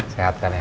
sehat kan ya